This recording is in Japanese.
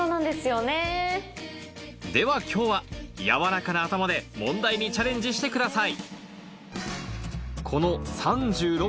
では今日はやわらかな頭で問題にチャレンジしてください